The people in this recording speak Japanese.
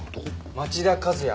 町田和也